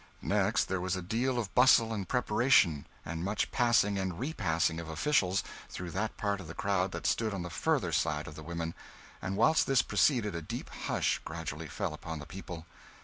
Next there was a deal of bustle and preparation, and much passing and repassing of officials through that part of the crowd that stood on the further side of the women; and whilst this proceeded a deep hush gradually fell upon the people.